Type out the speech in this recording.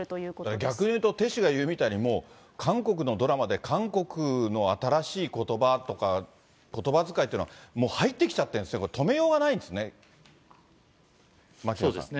逆に言うと、テ氏が言うみたいに、韓国のドラマで韓国の新しいことばとか、ことばづかいというのは、もう入ってきちゃってるんですね、これ、止めようがないですね。